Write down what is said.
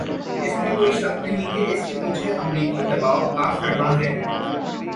اس میں کوئی شک نہیں کہ اس کے پیچھے امریکی دبائو کارفرما ہے۔